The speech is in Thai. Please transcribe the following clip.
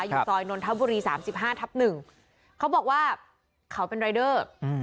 อยู่ซอยนทบุรีสามสิบห้าทับหนึ่งเขาบอกว่าเขาเป็นรายเดอร์